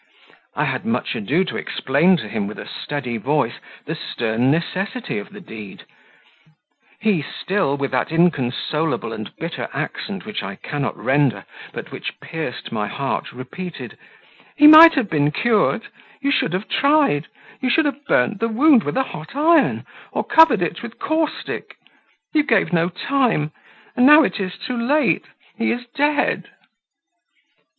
I had much ado to explain to him, with a steady voice, the stern necessity of the deed; he still, with that inconsolable and bitter accent which I cannot render, but which pierced my heart, repeated "He might have been cured you should have tried you should have burnt the wound with a hot iron, or covered it with caustic. You gave no time; and now it is too late he is dead!"